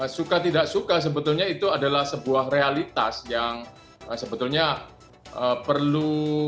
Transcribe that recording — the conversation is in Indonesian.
suka tidak suka sebetulnya itu adalah sebuah realitas yang sebetulnya perlu